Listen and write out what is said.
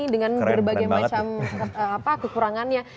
dengan berbagai macam kekurangannya